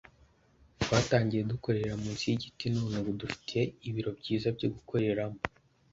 twatangiye dukorera munsi y’igiti none ubu dufite ibiro byiza byo gukoreramo